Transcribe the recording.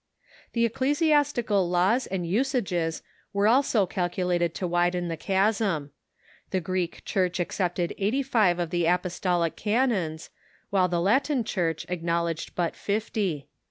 The ecclesiastical laws and usages were also calculated to widen the chasm. The Greek Church accepted eighty five of „.... the apostolic canons, while the Latin Church Chasm widened i ' by Ecclesiastical acknowledged but fifty.